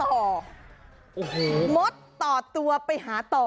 โอ้โหมดต่อตัวไปหาต่อ